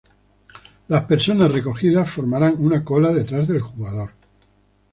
Las personas recogidas formaran una cola detrás del jugador.